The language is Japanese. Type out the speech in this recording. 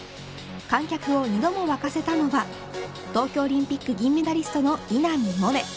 観客を２度も沸かせたのが東京オリンピック銀メダリストの稲見萌寧。